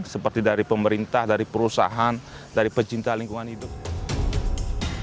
seperti dari pemerintah dari perusahaan dari pecinta lingkungan hidup